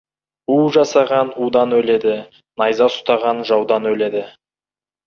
У жасаған удан өледі, найза ұстаған жаудан өледі.